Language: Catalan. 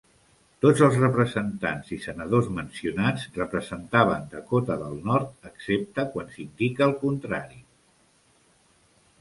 Tots els representants i senadors mencionats representaven Dakota del Nord, excepte quan s'indica el contrari.